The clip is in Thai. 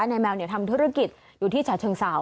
แมวทำธุรกิจอยู่ที่ฉะเชิงเศร้า